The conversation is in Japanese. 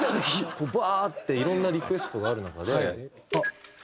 こうバーッていろんなリクエストがある中で。